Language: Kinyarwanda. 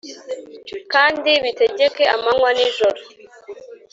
kandi bitegeke amanywa n’ijoro